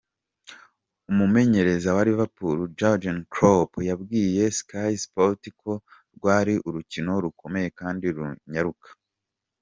Umumenyereza wa Liverpool Jurgen Klopp yabwiye Sky Sports ko:"Rwari urukino rukomeye kandi runyaruka.